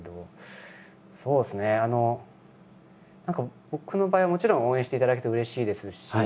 そうですね何か僕の場合はもちろん応援していただけてうれしいですし。